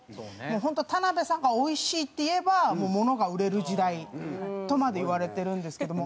本当田辺さんが「おいしい」って言えば物が売れる時代とまでいわれてるんですけども。